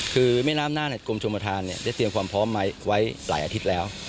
คือแม่น้ำน่านกรมชมประธานได้เตรียมความพร้อมไว้หลายอาทิตย์แล้ว